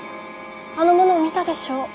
あの者を見たでしょう？